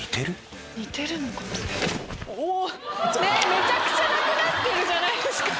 めちゃくちゃなくなってるじゃないですか！